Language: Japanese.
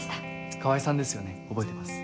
川合さんですよね覚えてます。